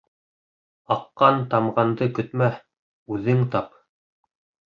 Аҡҡан-тамғанды көтмә, үҙең тап.